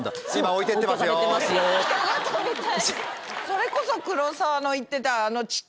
それこそ黒沢の言ってた。